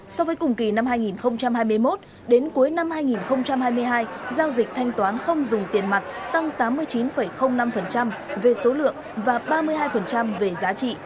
so với cùng kỳ năm hai nghìn hai mươi một đến cuối năm hai nghìn hai mươi hai giao dịch thanh toán không dùng tiền mặt tăng tám mươi chín năm về số lượng và ba mươi hai về giá trị